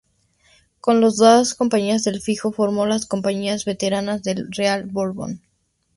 Con las dos compañías del Fijo formó las compañías veteranas del Real Borbón.